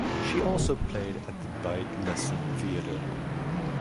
She also played at the Beit Lessin Theater.